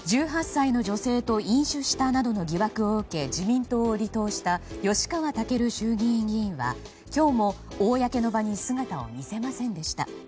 １８歳の女性と飲酒したなどの疑惑を受け自民党を離党した吉川赳衆議院議員は今日も公の場に姿を見せませんでした。